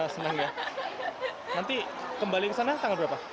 senang ya nanti kembali ke sana tanggal berapa